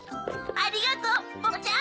ありがとうポッポちゃん！